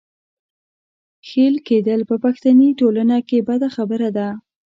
ښېل کېدل په پښتني ټولنه کې بده خبره ده.